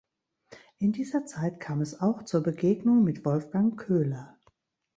In dieser Zeit kam es auch zur Begegnung mit Wolfgang Köhler.